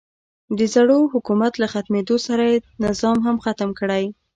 د زوړ حکومت له ختمېدو سره یې نظام هم ختم کړی.